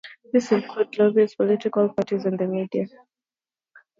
These include lobbies, political parties, and the media.